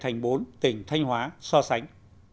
thành bốn tỉnh thanh hóa so sánh